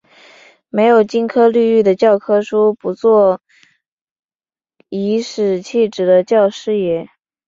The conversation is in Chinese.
没有金科绿玉的教科书，不做颐使气指的教师爷